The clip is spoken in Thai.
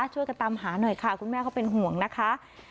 ช่วยกันตามหาหน่อยค่ะคุณแม่เขาเป็นห่วงนะคะ